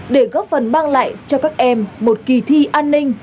để góp phần mang lại cho các em một kỳ thi an ninh